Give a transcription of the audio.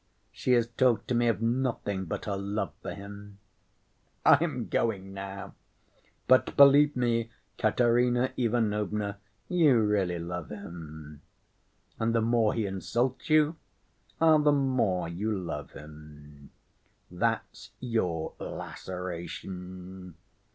She has talked to me of nothing but her love for him. I am going now; but, believe me, Katerina Ivanovna, you really love him. And the more he insults you, the more you love him—that's your 'laceration.